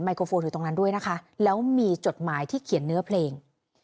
โครโฟนอยู่ตรงนั้นด้วยนะคะแล้วมีจดหมายที่เขียนเนื้อเพลง